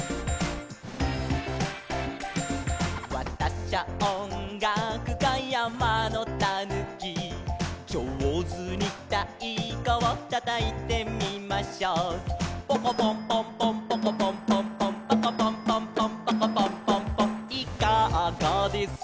「わたしゃおんがくか山のたぬき」「じょうずにたいこをたたいてみましょう」「ポコポンポンポンポコポンポンポンポコポンポンポンポコポンポンポン」「いかがです」